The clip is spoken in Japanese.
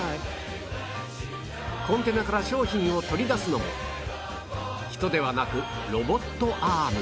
コンテナから商品を取り出すのも人ではなくロボットアーム